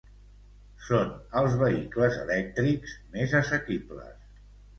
Són els vehicles elèctrics més assequibles.